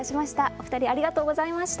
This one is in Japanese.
お二人、ありがとうございました。